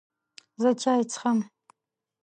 زه چای څښم.